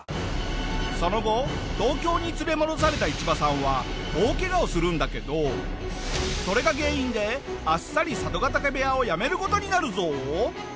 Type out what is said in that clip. その後東京に連れ戻されたイチバさんは大ケガをするんだけどそれが原因であっさり佐渡ケ嶽部屋をやめる事になるぞ。